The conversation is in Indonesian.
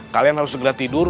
kalian harus segera tidur